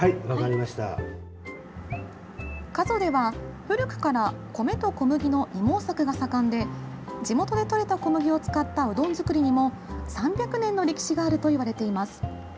加須では古くから米と小麦の二毛作が盛んで地元でとれた小麦を使ったうどん作りにも３００年の歴史があるといわれています。